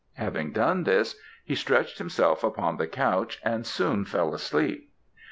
Having done this, he stretched himself upon the couch, and soon fell asleep.